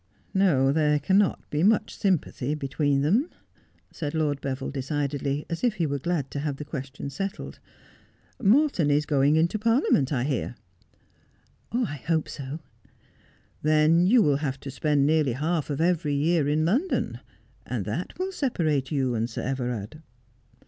No ; there cannot be much sympathy between them,' said Lord Beville decidedly, as if he were glad to have the question settled. ' Morton is going into Parliament, I hear.' ' I hope so.' ' Then you will have to spend nearly half of every year in London, and that will separate you and Sir Everard.'